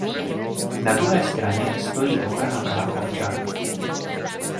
Na druhé straně stojí ochrana práv občanů.